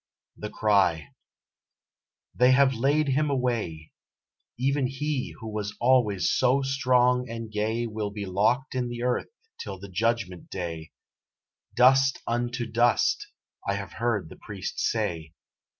THE CRY They have laid him away; Even he who was always so strong and gay Will be locked in the earth till the judgment day; "Dust unto dust" I have heard the priest say.